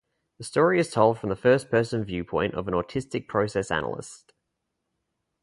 The story is told from the first person viewpoint of an autistic process analyst.